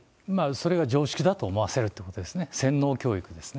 それが常識だと思わせるということですね。